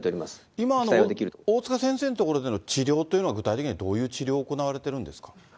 今、大塚先生のところの治療というのは、具体的にはどういう治療が行われてるんですか？